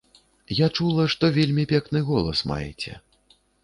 Я чула, што вельмі пекны голас маеце.